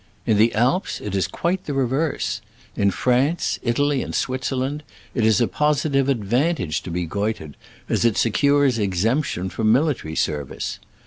In the Alps it is quite the reverse. In France, Italy and Switzerland it is a positive advan tage to be goitred, as it secures exemp tion from military service.